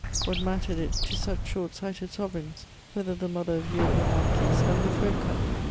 What mattered it to such short sighted sovereigns whether the mother of European monarchies had her throat cut?